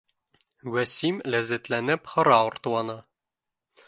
— Вәсим ләззәтләнеп һыра уртла, ны